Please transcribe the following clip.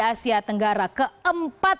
asia tenggara keempat